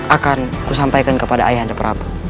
akan kusampaikan kepada ayah anda prabu